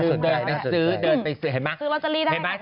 ซื้อเดินไปซื้อซื้อเราก็จะรีด่ายกัน